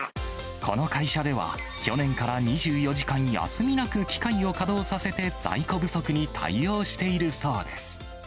この会社では、去年から２４時間休みなく機械を稼働させて在庫不足に対応しているそうです。